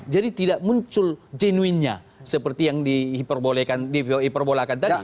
jadi tidak muncul genuinnya seperti yang dihiperbolakan tadi